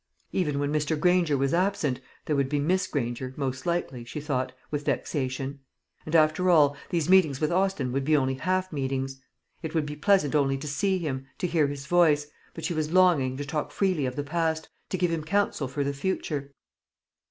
Even when Mr. Granger was absent, there would be Miss Granger, most likely, she thought, with vexation; and, after all, these meetings with Austin would be only half meetings. It would be pleasant only to see him, to hear his voice; but she was longing to talk freely of the past, to give him counsel for the future.